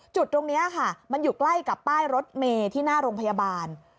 จุดตรงนี้ค่ะมันอยู่ใกล้กับป้ายรถเมที่หน้าโรงพยาบาล